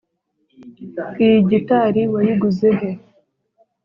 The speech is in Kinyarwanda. iyi gitari wayiguze he?